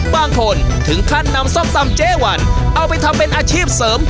บางคนถึงขั้นนำส้มตำเจ๊วันเอาไปทำเป็นอาชีพเสริม